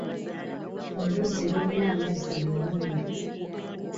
Oluzzi lulina amazzi amayonjo.